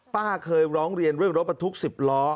ป้าเคยร้องเรียนเนื่องจากเมื่อทุกสิบล้อ